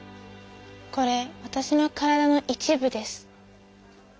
これわたしの体の一部です。